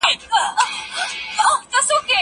زه پرون بوټونه پاک کړل!!